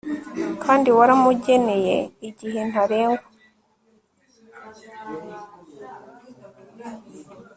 kandi waramugeneye igihe ntarengwa